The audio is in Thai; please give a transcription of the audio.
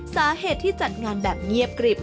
สาเหตุที่จัดงานแบบเงียบกริบ